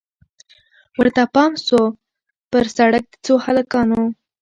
ورته پام سو پر سړک د څو هلکانو